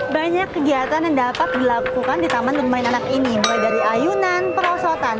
banyak kegiatan yang dapat dilakukan di taman bermain anak ini mulai dari ayunan perosotan